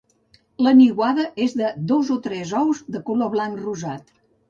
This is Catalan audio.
La niuada és de dos o tres ous de color blanc rosat.